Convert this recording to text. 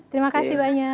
terima kasih banyak